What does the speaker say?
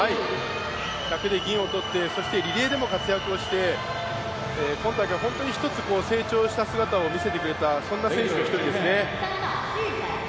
１００で銀をとってそしてリレーでも活躍をして今大会、本当に一つ成長した姿を見せてくれたそんな選手の一人ですね。